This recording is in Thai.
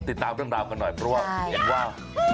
ติดตามเรื่องราวกันหน่อยเพราะว่าเห็นว่า